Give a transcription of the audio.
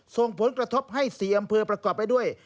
ส่งผลกระทบให้๔อำเภอประกอบไปด้วย